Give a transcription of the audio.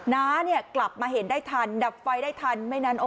น้ากลับมาเห็นได้ทันดับไฟได้ทัน